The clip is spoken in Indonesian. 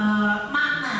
tapi bisa dianggap risis